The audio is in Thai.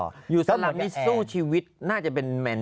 ภักดิ์นะอยู่สลัมมิซัุชีวินน่าจะเป็นแมนนะ